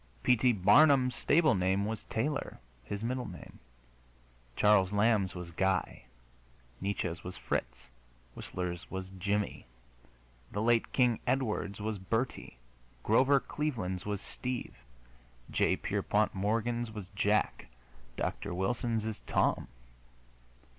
P. T. Barnum's stable name was Taylor, his middle name; Charles Lamb's was Guy; Nietzsche's was Fritz; Whistler's was Jimmie; the late King Edward's was Bertie; Grover Cleveland's was Steve; J. Pierpont Morgan's was Jack; Dr. Wilson's is Tom.